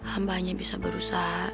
ampahnya bisa berusaha